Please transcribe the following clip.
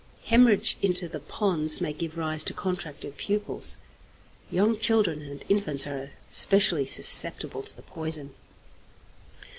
Hæmorrhage into the pons may give rise to contracted pupils. Young children and infants are specially susceptible to the poison.